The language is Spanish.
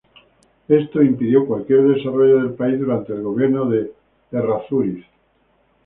Esto impidió cualquier desarrollo del país durante el gobierno de Errázuriz.